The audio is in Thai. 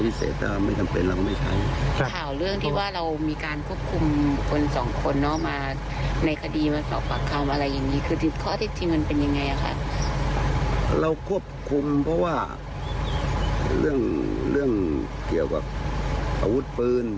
เราควบคุมเพราะว่าเรื่องเรื่องเกี่ยวกับอาวุธปืน